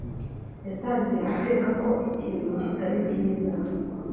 yatangiye gukeka ko ikintu kitari cyiza.